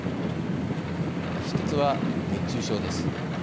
ひとつは、熱中症です。